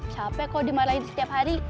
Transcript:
capek kok dimarahin setiap hari